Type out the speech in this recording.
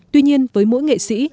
tuy nhiên với mỗi nghệ sĩ